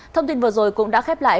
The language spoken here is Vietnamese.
thông tin vừa rồi cũng đã khép lại